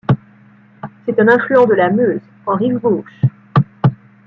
C'est un affluent de la Meuse en rive gauche.